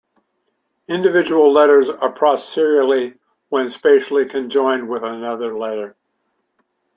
Individual letters are processed serially when spatially conjoined with another letter.